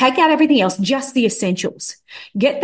ambil semua yang lain hanya pentingnya